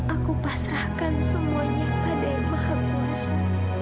aku pasrahkan semuanya pada yang maha kuasa